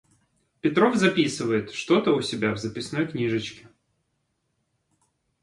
Петров записывает что-то у себя в записной книжечке.